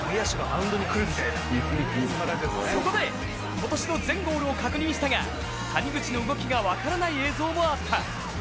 そこで、今年の全ゴールを確認したが谷口の動きが分からない映像もあった。